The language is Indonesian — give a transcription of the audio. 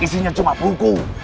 isinya cuma buku